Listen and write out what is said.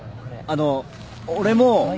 あの俺も。